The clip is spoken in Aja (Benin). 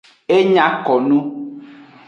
E nya ko nu.